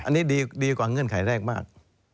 อันนี้ดีกว่าเงื่อนไขแรกมาก